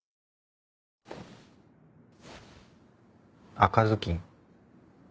赤ずきん。